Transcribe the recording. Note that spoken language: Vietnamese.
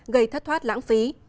gây thất thoát lãng phí